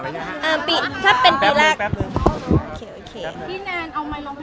ถ้าเป็นปีแรก